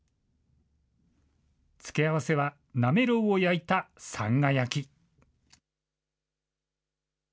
付け合わせはなめろうを焼いたさんが焼き。